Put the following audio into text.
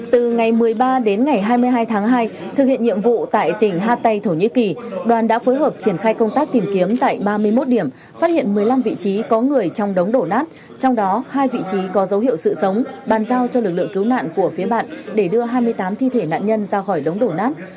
từ ngày một mươi ba đến ngày hai mươi hai tháng hai thực hiện nhiệm vụ tại tỉnh hatay thổ nhĩ kỳ đoàn đã phối hợp triển khai công tác tìm kiếm tại ba mươi một điểm phát hiện một mươi năm vị trí có người trong đống đổ nát trong đó hai vị trí có dấu hiệu sự sống bàn giao cho lực lượng cứu nạn của phía bạn để đưa hai mươi tám thi thể nạn nhân ra khỏi đống đổ nát